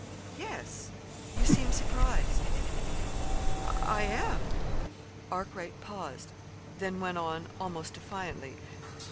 "Yes. You seem surprised." "I am." Arkwright paused, then went on almost defiantly.